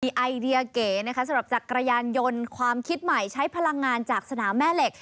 ไอเดียเก๋นะคะสำหรับจักรยานยนต์ความคิดใหม่ใช้พลังงานจากสนามแม่เหล็ก